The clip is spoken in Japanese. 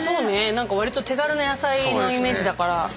何かわりと手軽な野菜のイメージだから。